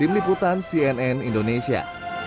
tim liputan cnn indonesia